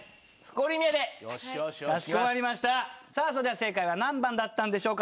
正解は何番だったんでしょうか？